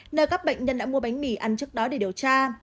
nơi các bệnh nhân đã mua bánh mì ăn trước đó để điều tra